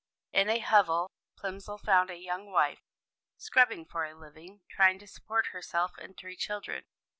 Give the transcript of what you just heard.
In a hovel, Plimsoll found a young wife, scrubbing for a living, trying to support herself and three children.